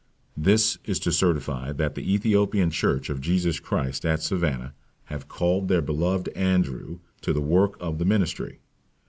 This is to certify, that the Ethiopian church of Jesus Christ at Savannah, have called their beloved Andrew to the work of the ministry.